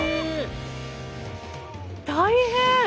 大変！